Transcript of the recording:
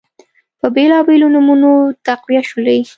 په بیلابیلو نومونو تقویه شولې